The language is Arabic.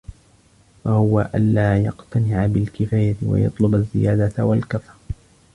فَهُوَ أَنْ لَا يَقْنَعَ بِالْكِفَايَةِ وَيَطْلُبَ الزِّيَادَةَ وَالْكَثْرَةَ